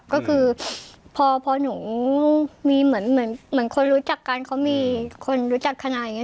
ก็คือพอหนูมีเหมือนคนรู้จักกันเขามีคนรู้จักทนายอย่างนี้